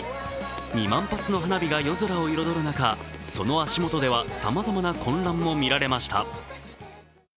２万発の花火が夜空を彩る中、その足元ではさまざまな混乱もみられました。